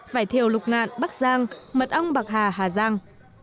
vải thiều lục ngạn bắc giang mật ong bạc hà hà giang